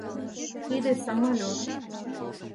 Тиде самолёт.